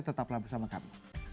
tetaplah bersama kami